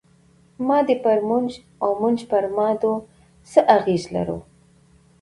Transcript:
مادې پر موږ او موږ پر مادو څه اغېز لرو؟